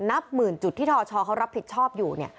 นับหมื่นจุดที่ทชเขารับผิดชอบอยู่